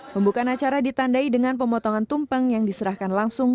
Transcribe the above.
pembukaan acara ditandai dengan pemotongan tumpeng yang diserahkan langsung